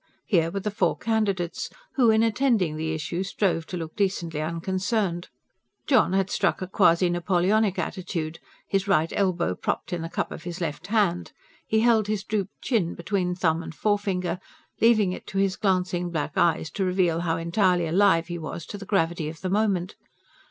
Here were the four candidates, who, in attending the issue, strove to look decently unconcerned. John had struck a quasi Napoleonic attitude: his right elbow propped in the cup of his left hand, he held his drooped chin between thumb and forefinger, leaving it to his glancing black eyes to reveal how entirely alive he was to the gravity of the moment.